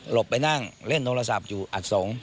ไปนั่งเล่นโทรศัพท์อยู่อัดสงฆ